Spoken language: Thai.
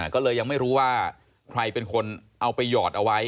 ก็เลยยังไม่รู้ว่าใครเป็นคนเอาไปหยอดเอาไว้